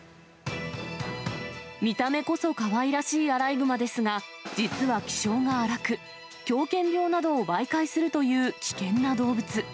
見た目こそかわいらしいアライグマですが、実は気性が荒く、狂犬病などを媒介するという危険な動物。